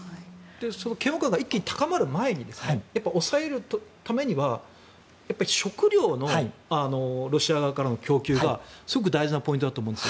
嫌悪感が一気に高まる前に抑えるためには食糧の、ロシア側からの供給がすごく大事なポイントだと思うんです。